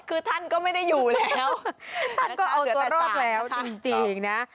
คือท่านก็ไม่ได้อยู่แล้วท่านก็เอาตัวรอดแล้วจริงนะ